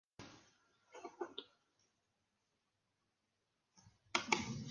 Este manga se centra en las vidas de los antagonistas de la serie original.